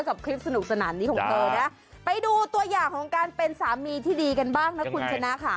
กับคลิปสนุกสนานนี้ของเธอนะไปดูตัวอย่างของการเป็นสามีที่ดีกันบ้างนะคุณชนะค่ะ